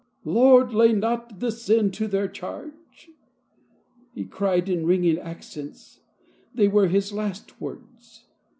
" Lord, lay not this sin to their charge," he cried in ringing accents. They were his last words.